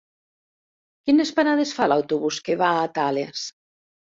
Quines parades fa l'autobús que va a Tales?